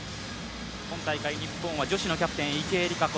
今大会日本は女子のキャプテン・池江璃花子、